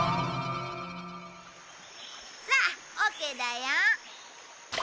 さあオーケーだよ。